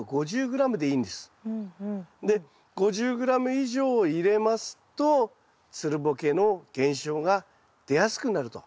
で５０ｇ以上入れますとつるボケの現象が出やすくなると。